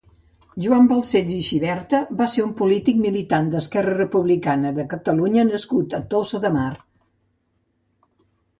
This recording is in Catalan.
Joan Bancells i Xiberta va ser un polític, militant d'ERC nascut a Tossa de Mar.